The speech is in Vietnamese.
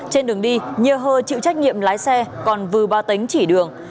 trên đường đi nhi hơ chịu trách nhiệm lái xe còn vư ba tính chỉ đường